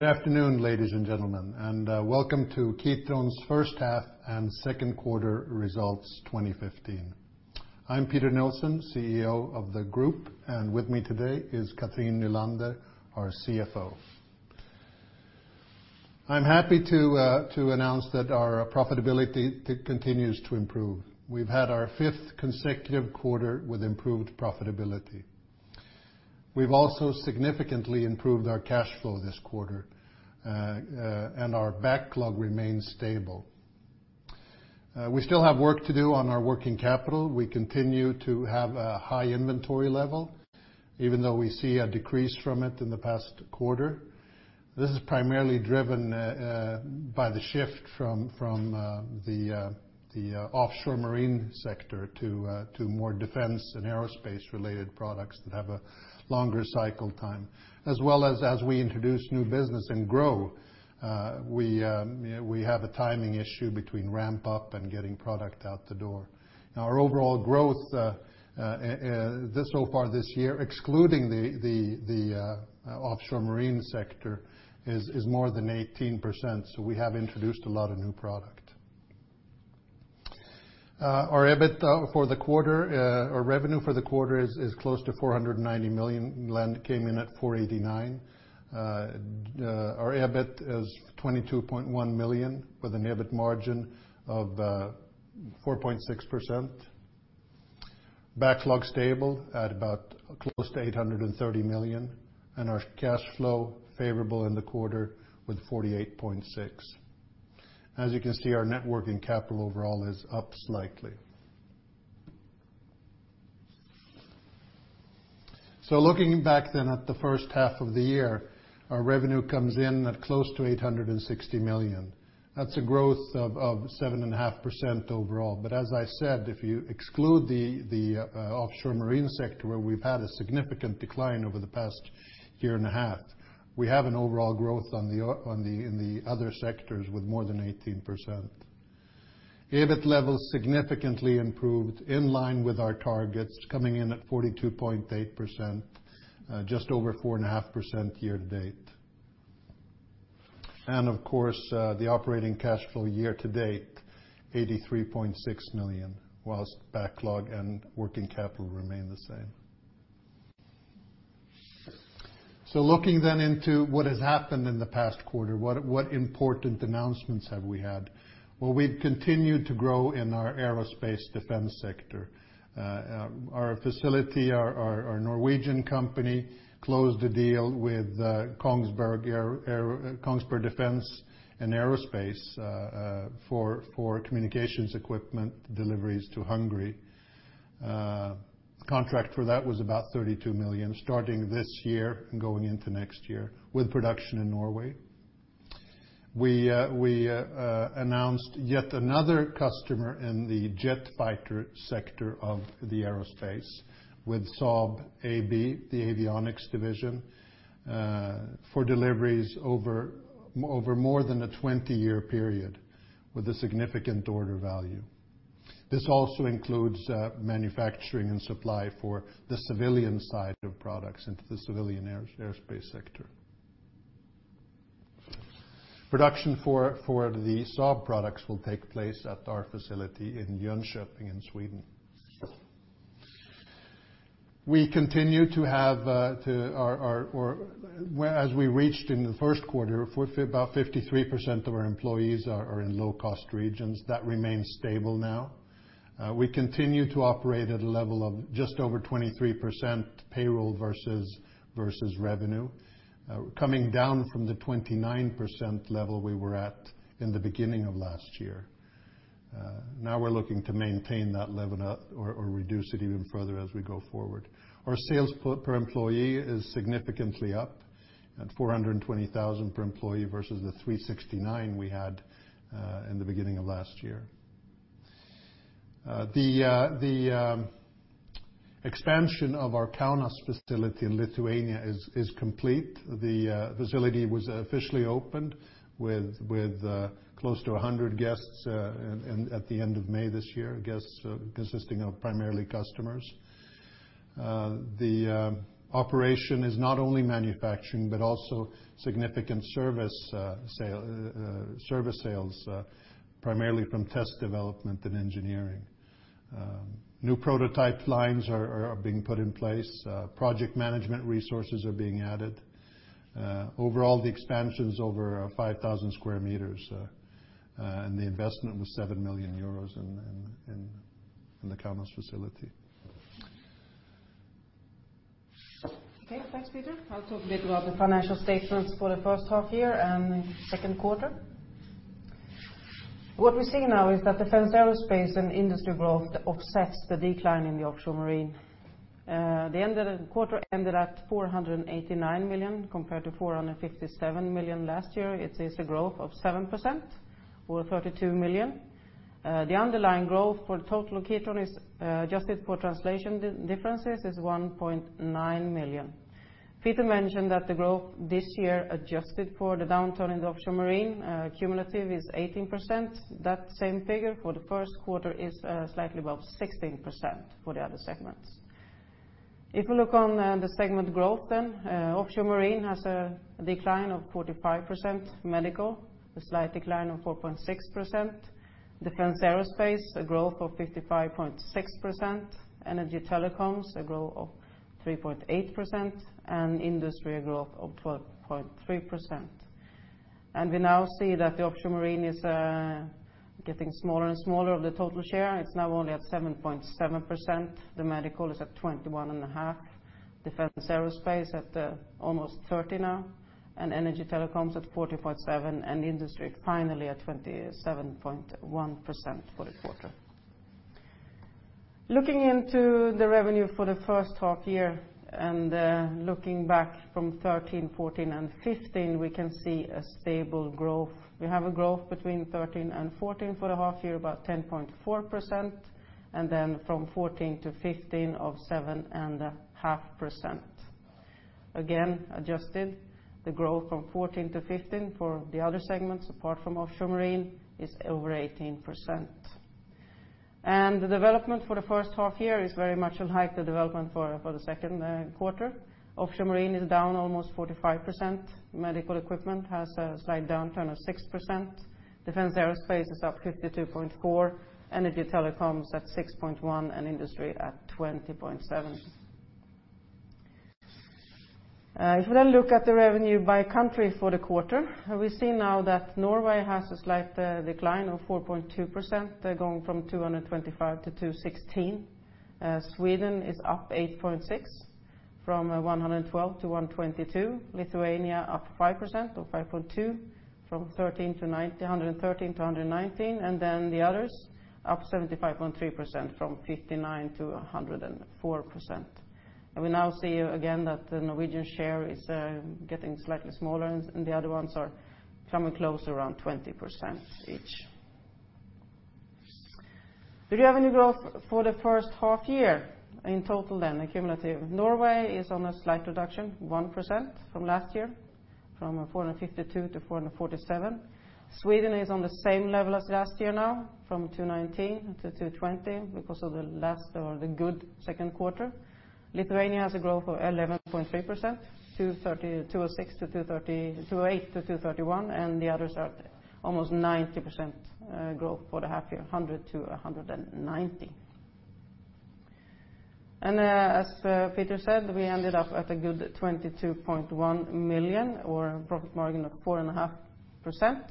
Good afternoon, ladies and gentlemen, and welcome to Kitron's first half and second quarter results 2015. I'm Peter Nilsson, CEO of the group, and with me today is Cathrin Nylander, our CFO. I'm happy to announce that our profitability continues to improve. We've had our fifth consecutive quarter with improved profitability. We've also significantly improved our cash flow this quarter, and our backlog remains stable. We still have work to do on our working capital. We continue to have a high inventory level even though we see a decrease from it in the past quarter. This is primarily driven by the shift from the Offshore/Marine sector to more Defence/Aerospace-related products that have a longer cycle time. As well as we introduce new business and grow, we have a timing issue between ramp up and getting product out the door. Now, our overall growth, so far this year, excluding the Offshore/Marine sector, is more than 18%. We have introduced a lot of new product. Our EBITDA for the quarter, our revenue for the quarter is close to 490 million. Nylander came in at 489 million. Our EBIT is 22.1 million with an EBIT margin of 4.6%. Backlog's stable at about close to 830 million. Our cash flow favorable in the quarter with 48.6 million. As you can see, our net working capital overall is up slightly. Looking back then at the first half of the year, our revenue comes in at close to 860 million. That's a growth of 7.5% overall. As I said, if you exclude the Offshore/Marine sector where we've had a significant decline over the past year and a half, we have an overall growth on the, in the other sectors with more than 18%. EBIT levels significantly improved in line with our targets coming in at 42.8%, just over 4.5% year to date. Of course, the operating cash flow year to date, 83.6 million, whilst backlog and working capital remain the same. Looking then into what has happened in the past quarter, what important announcements have we had? Well, we've continued to grow in our Aerospace/Defence sector. Our facility, our Norwegian company closed the deal with Kongsberg Defence & Aerospace for communications equipment deliveries to Hungary. Contract for that was about 32 million, starting this year and going into next year with production in Norway. We announced yet another customer in the jet fighter sector of the aerospace with Saab AB, the Avionics division, for deliveries over more than a 20-year period with a significant order value. This also includes manufacturing and supply for the civilian side of products into the civilian aerospace sector. Production for the Saab products will take place at our facility in Jönköping in Sweden. We continue to have as we reached in the first quarter, for about 53% of our employees are in low-cost regions. That remains stable now. We continue to operate at a level of just over 23% payroll versus revenue, coming down from the 29% level we were at in the beginning of last year. Now we're looking to maintain that level at or reduce it even further as we go forward. Our sales per employee is significantly up at 420,000 per employee versus the 369,000 we had in the beginning of last year. The expansion of our Kaunas facility in Lithuania is complete. The facility was officially opened with close to 100 guests and at the end of May this year, guests consisting of primarily customers. The operation is not only manufacturing but also significant service sale, service sales, primarily from test development and engineering. New prototype lines are being put in place. Project management resources are being added. Overall, the expansion's over 5,000 square meters, and the investment was 7 million euros in the Kaunas facility. Okay. Thanks, Peter. I'll talk a bit about the financial statements for the first half year and second quarter. What we're seeing now is that Defence/Aerospace and Industry growth offsets the decline in the Offshore/Marine. The end of the quarter ended at 489 million compared to 457 million last year. It is a growth of 7% or 32 million. The underlying growth for the total Kitron is adjusted for translation differences is 1.9 million. Peter mentioned that the growth this year adjusted for the downturn in the Offshore/Marine, cumulative is 18%. That same figure for the first quarter is slightly above 16% for the other segments. If we look on the segment growth then, Offshore/Marine has a decline of 45%. Medical, a slight decline of 4.6%. Defence/Aerospace, a growth of 55.6%. Energy/Telecoms, a growth of 3.8%, Industry a growth of 12.3%. We now see that the Offshore/Marine is getting smaller and smaller of the total share. It's now only at 7.7%. The Medical is at 21.5%. Defence/Aerospace at almost 30% now, Energy/Telecoms at 40.7%, Industry finally at 27.1% for the quarter. Looking into the revenue for the first half year, looking back from 2013, 2014, and 2015, we can see a stable growth. We have a growth between 2013 and 2014 for the half year, about 10.4%, from 2014 to 2015 of 7.5%. Adjusted, the growth from 2014 to 2015 for the other segments, apart from Offshore/Marine, is over 18%. The development for the first half year is very much in height to development for the second quarter. Offshore/Marine is down almost 45%. Medical equipment has a slight downturn of 6%. Defence/Aerospace is up 52.4%. Energy/Telecoms at 6.1%, and Industry at 20.7%. If we now look at the revenue by country for the quarter, we see now that Norway has a slight decline of 4.2%. They're going from 225 to 216. Sweden is up 8.6% from 112 to 122. Lithuania up 5%, or 5.2%, from 13-90, 113-119. The others, up 75.3% from 59%-104%. We now see again that the Norwegian share is getting slightly smaller and the other ones are coming close, around 20% each. The revenue growth for the first half year in total then, accumulative, Norway is on a slight reduction, 1% from last year, from 452-447. Sweden is on the same level as last year now, from 219-220 because of the last, or the good second quarter. Lithuania has a growth of 11.3%, 230, 206 to 230, 208 to 231, and the others are at almost 90% growth for the half year, 100-190. As Peter said, we ended up at a good 22.1 million, or a profit margin of 4.5%,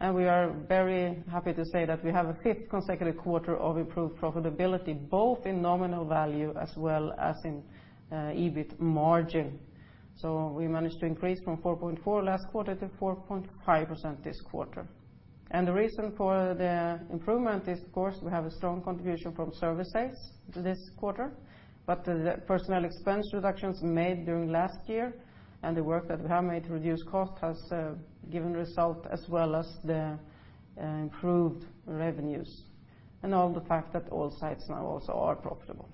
and we are very happy to say that we have a fifth consecutive quarter of improved profitability, both in nominal value as well as in EBIT margin. We managed to increase from 4.4% last quarter to 4.5% this quarter. The reason for the improvement is of course we have a strong contribution from services this quarter, but, the personnel expense reductions made during last year and the work that we have made to reduce cost has given result as well as the improved revenues and all the fact that all sites now also are profitable.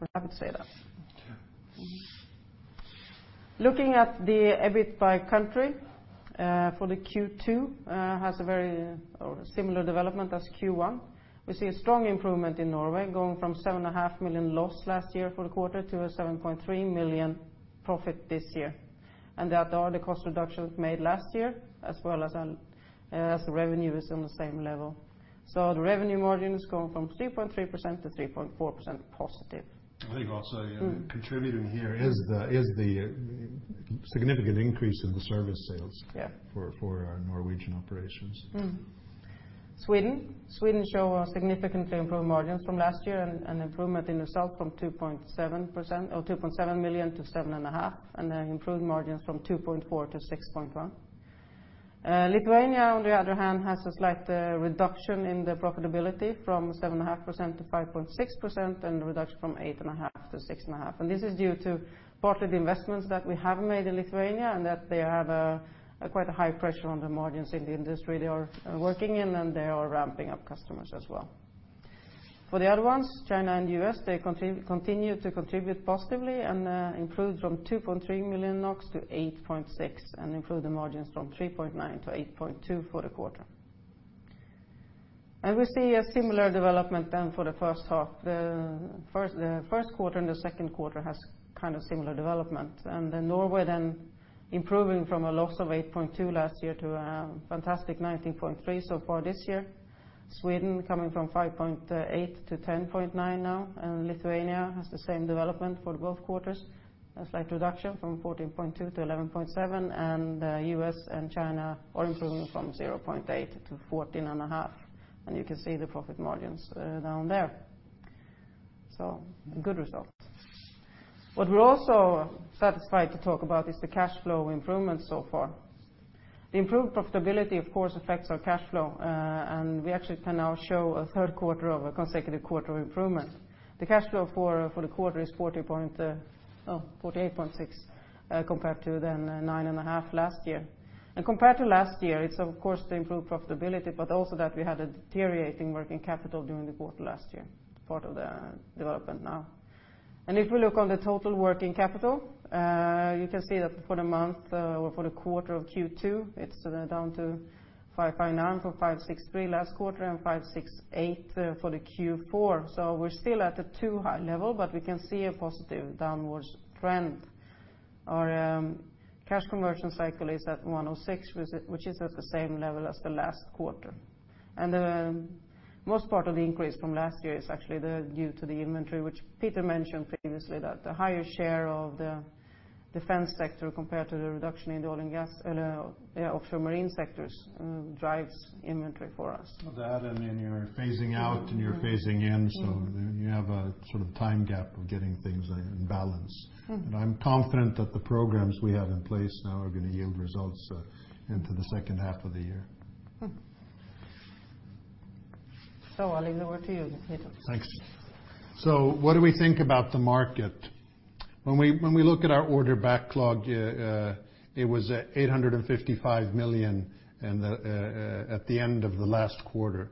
We're happy to say that. Okay. Looking at the EBIT by country, for the Q2, has a very, or similar development as Q1. We see a strong improvement in Norway going from 7.5 million loss last year for the quarter to a 7.3 million profit this year. That are the cost reductions made last year as well as the revenue is on the same level. The revenue margin is going from 3.3% to 3.4% positive. I think also. Mm. Contributing here is the significant increase in the service sales. Yeah. For our Norwegian operations. Sweden show a significantly improved margins from last year and improvement in the south from 2.7%, or 2.7 million to 7.5 million, then improved margins from 2.4% to 6.1%. Lithuania, on the other hand, has a slight reduction in the profitability from 7.5% to 5.6% and reduction from 8.5% to 6.5%. This is due to partly the investments that we have made in Lithuania and that they have quite a high pressure on the margins in the industry they are working in, and they are ramping up customers as well. For the other ones, China and U.S., they continue to contribute positively and improve from 2.3 million NOK to 8.6 and improve the margins from 3.9% to 8.2% for the quarter. We see a similar development then for the first half. The first quarter and the second quarter has kind of similar development. The Norway then improving from a loss of 8.2 last year to a fantastic 19.3 so far this year. Sweden coming from 5.8 to 10.9 now. Lithuania has the same development for both quarters, a slight reduction from 14.2 to 11.7. U.S. and China are improving from 0.8 to 14.5, you can see the profit margins down there. Good results. What we're also satisfied to talk about is the cash flow improvement so far. The improved profitability, of course, affects our cash flow, and we actually can now show a third quarter of a consecutive quarter of improvement. The cash flow for the quarter is 48.6 compared to then nine and a half last year. Compared to last year, it's of course the improved profitability, but also that we had a deteriorating working capital during the quarter last year, part of the development now. If we look on the total working capital, you can see that for the month or for the quarter of Q2, it's down to 559 from 563 last quarter and 568 for the Q4. We're still at a too high level, but we can see a positive downwards trend. Our cash conversion cycle is at 106, which is at the same level as the last quarter. The most part of the increase from last year is actually the due to the inventory which Peter mentioned previously that the higher share of the Defence sector compared to the reduction in the oil and gas, Offshore/Marine sectors, drives inventory for us. You're phasing out and you're phasing in, so you have a sort of time gap of getting things in balance. Mm-hmm. I'm confident that the programs we have in place now are gonna yield results, into the second half of the year. Mm-hmm. I'll leave over to you, Peter. Thanks. What do we think about the market? When we look at our order backlog, it was at 855 million at the end of the last quarter.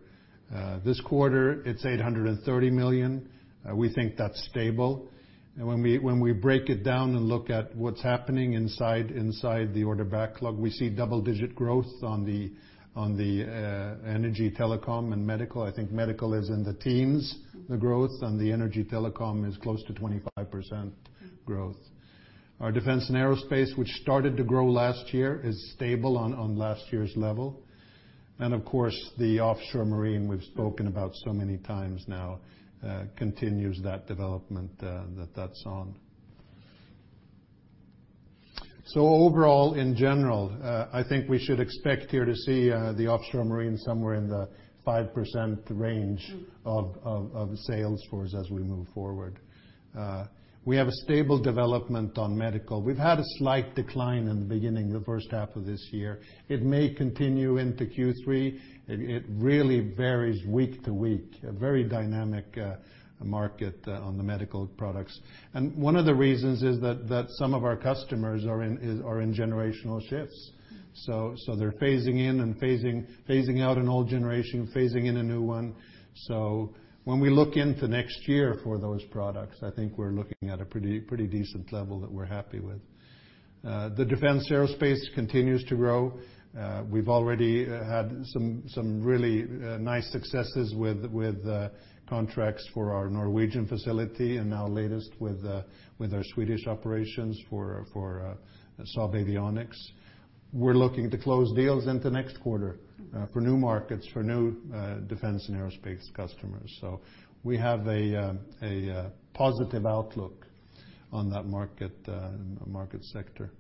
This quarter, it's 830 million. We think that's stable. When we break it down and look at what's happening inside the order backlog, we see double-digit growth on the Energy/Telecoms and Medical. I think Medical is in the teens, the growth. On the Energy/Telecoms is close to 25% growth. Our Defence/Aerospace, which started to grow last year, is stable on last year's level. Of course, the Offshore/Marine we've spoken about so many times now, continues that development, that's on. Overall, in general, I think we should expect here to see the Offshore/Marine somewhere in the 5% range of sales for us as we move forward. We have a stable development on Medical. We've had a slight decline in the beginning, the first half of this year. It may continue into Q3. It really varies week to week, a very dynamic market on the Medical products. One of the reasons is that some of our customers are in generational shifts. They're phasing in and phasing out an old generation, phasing in a new one. When we look into next year for those products, I think we're looking at a pretty decent level that we're happy with. The Defence/Aerospace continues to grow. We've already had some really nice successes with contracts for our Norwegian facility and now latest with our Swedish operations for Saab Avionics. We're looking to close deals into next quarter for new markets, for new Defence/Aerospace customers. We have a positive outlook on that market market sector.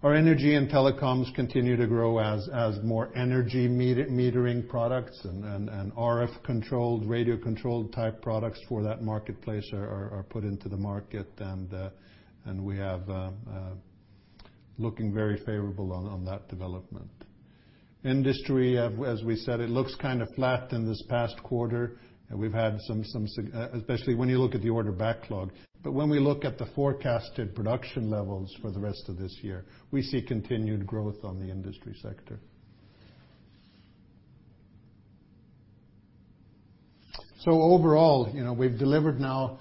Our Energy/Telecoms continue to grow as more energy metering products and RF controlled, radio controlled type products for that marketplace are put into the market. We have looking very favorable on that development. Industry, as we said, it looks kind of flat in this past quarter. We've had some sign, especially when you look at the order backlog. When we look at the forecasted production levels for the rest of this year, we see continued growth on the Industry sector. Overall, you know, we've delivered now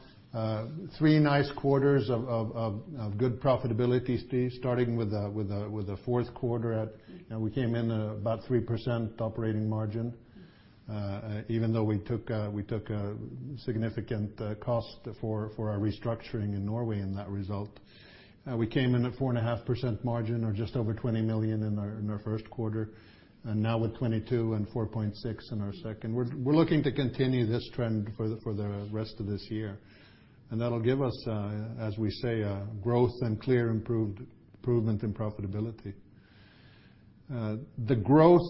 three nice quarters of good profitability, starting with a fourth quarter at, we came in about 3% operating margin. Even though we took a significant cost for our restructuring in Norway in that result. We came in at 4.5% margin or just over 20 million in our first quarter, and now with 22 million and 4.6% in our second. We're looking to continue this trend for the rest of this year. That'll give us, as we say, a growth and clear improvement in profitability. The growth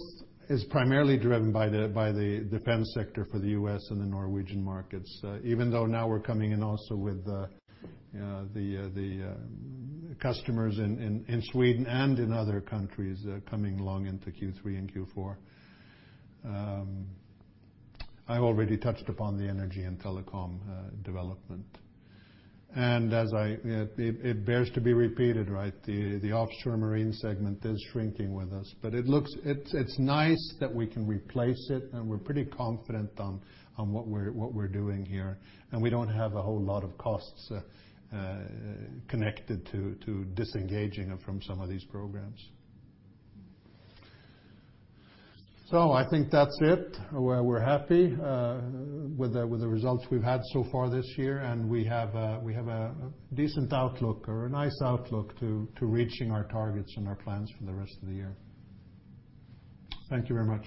is primarily driven by the defense sector for the U.S. and the Norwegian markets, even though now we're coming in also with the customers in Sweden and in other countries coming along into Q3 and Q4. I've already touched upon the Energy and Telecoms development. It bears to be repeated, right? The Offshore/Marine segment is shrinking with us, but it's nice that we can replace it, and we're pretty confident on what we're doing here. We don't have a whole lot of costs connected to disengaging from some of these programs. I think that's it. We're happy with the results we've had so far this year, and we have a decent outlook or a nice outlook to reaching our targets and our plans for the rest of the year. Thank you very much.